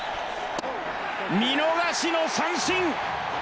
見逃しの三振！